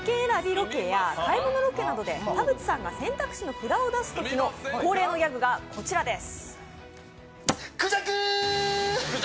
ロケや、買い物ロケで、田渕さんが選択肢の札を出すときの恒例のギャグがこちらです。